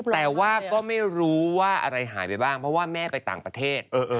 แต่ว่าก็ไม่รู้ว่าอะไรหายไปบ้างเพราะว่าแม่ไปต่างประเทศ